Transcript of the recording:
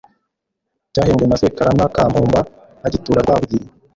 cyahimbwe na sekarama ka mpumba agitura rwabugiri